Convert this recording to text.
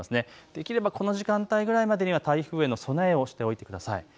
できればこの時間帯ぐらいまでには台風への備えをしておいてください。